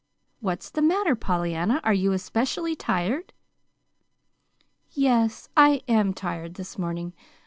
"What's the matter, Pollyanna? Are you especially tired?" "Yes, I am tired this morning.